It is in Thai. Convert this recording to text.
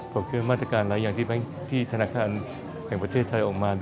ผมคิดว่ามัตการณ์หลายอย่างที่ทานาคารแห่งประเทศไทยออกมา